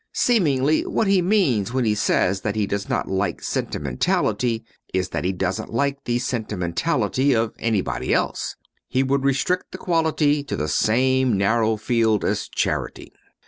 Seemingly, what he means when he says that he does not like sentimentality is that he doesn't like the sentimentality of anybody else. He would restrict the quality to the same narrow field as charity.